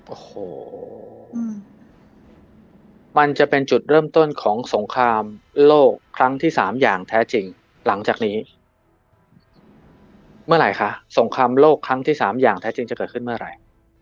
โอ้โหมันจะเป็นจุดเริ่มต้นของสงครามโลกครั้งที่สามอย่างแท้จริงหลังจากนี้เมื่อไหร่คะสงครามโลกครั้งที่สามอย่างแท้จริงจะเกิดขึ้นเมื่อไหร่